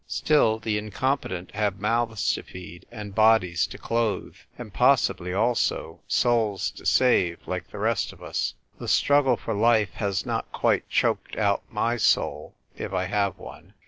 Still, the incompetent have mouths to feed, and bodies to clothe, and possibly, also, souls to save, like the rest of us. The struggle for life has not quite choked out my soul (if I have one).